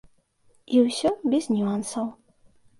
І ўсё, без нюансаў.